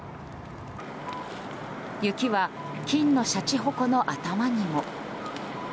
雪は金のしゃちほこの頭にも。